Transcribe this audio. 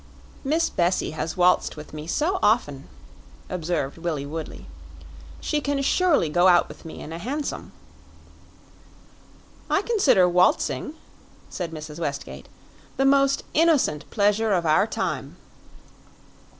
"Miss Bessie has waltzed with me so often," observed Willie Woodley; "she can surely go out with me in a hansom." "I consider waltzing," said Mrs. Westgate, "the most innocent pleasure of our time."